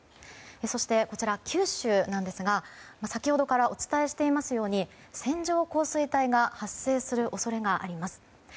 そして、九州なんですが先ほどからお伝えしているように線状降水帯が発生する恐れがあります。